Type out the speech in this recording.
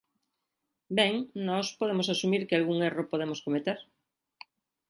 Ben, nós podemos asumir que algún erro podemos cometer.